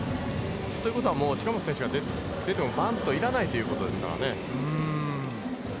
ということはもう近本選手がでなくてもバントが要らないということですからね。